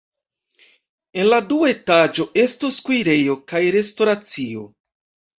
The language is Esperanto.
En la dua etaĝo estos kuirejo kaj restoracio.